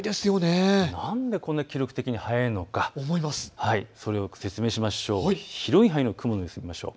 なんでこんなに記録的に早いのか、それを説明しましょう。